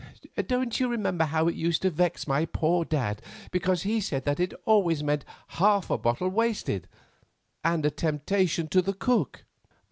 Don't you remember how it used to vex my poor dad, because he said that it always meant half a bottle wasted, and a temptation to the cook?"